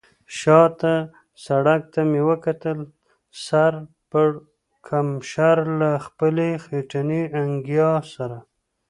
شا ته سړک ته مې وکتل، سر پړکمشر له خپلې خټینې انګیا سره.